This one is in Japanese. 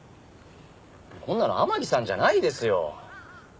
こんなの天樹さんじゃないですよ。